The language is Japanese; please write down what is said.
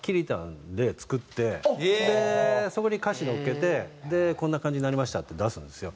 そこに歌詞乗っけてこんな感じになりましたって出すんですよ。